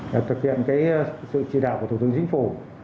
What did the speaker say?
để thực hiện sự chỉ đạo của thủ tướng chính phủ